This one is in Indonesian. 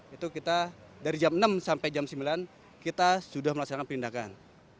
itu kita dari jam enam sampai jam sembilan kita sudah melaksanakan perindakan